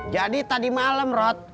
jadi tadi malem rot